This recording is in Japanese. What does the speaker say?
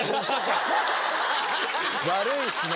悪いっすね。